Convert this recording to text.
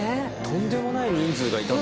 とんでもない人数いた。